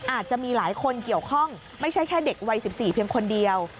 อาจจะมีหลายคนเกี่ยวข้องไม่ใช่แค่เด็กวัย๑๔เพียงคนเดียว